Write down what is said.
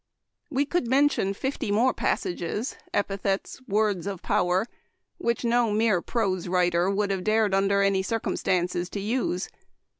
We could mention fifty more passages, epithets, words of power, which no mere prose writer would have dared under any circumstances to use.